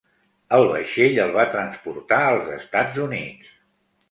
El vaixell el va transportar als Estats Units.